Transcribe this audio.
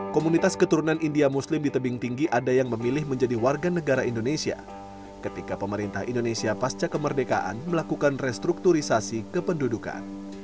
komunitas keturunan india muslim di tebing tinggi ada yang memilih menjadi warga negara indonesia ketika pemerintah indonesia pasca kemerdekaan melakukan restrukturisasi kependudukan